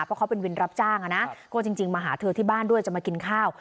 เพราะเขาเป็นวินรับจ้างอ่ะนะก็จริงมาหาเธอที่บ้านด้วยจะมากินข้าว